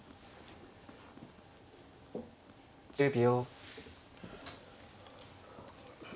１０秒。